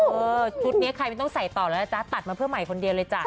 ชุดนี้ใครไม่ต้องใส่ต่อแล้วนะจ๊ะตัดมาเพื่อใหม่คนเดียวเลยจ้ะ